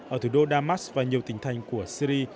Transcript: ở thủ đô damas và nhiều tỉnh thành của syri